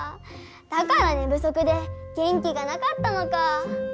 だから寝不足で元気がなかったのかぁ。